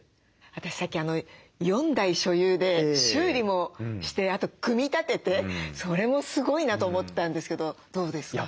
私さっき４台所有で修理もしてあと組み立ててそれもすごいなと思ったんですけどどうですか？